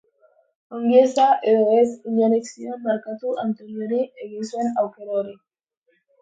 Ongieza edo ez, inork ez zion barkatu Antoniori egin zuen aukera hori.